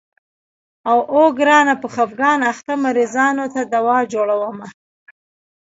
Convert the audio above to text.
اوو ګرانه په خفګان اخته مريضانو ته دوا جوړومه.